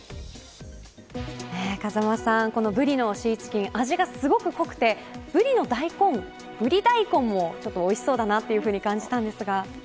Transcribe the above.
風間さん、このブリのシーチキン味がすごく濃くてブリの大根ブリ大根もおいしそうだと感じたんですが。